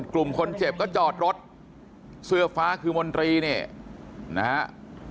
กลุ่มคนเจ็บก็จอดรถเสื้อฟ้าคือมนตรีเนี่ยนะฮะ